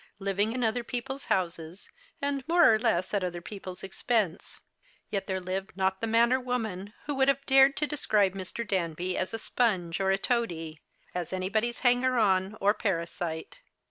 living in other people's houses, and, more or less, at other people's expense ; yet there lived not the man or woman who would have dared to describe Mr. Danby as a sponge or a toady, as anybody's hanger on or parasite.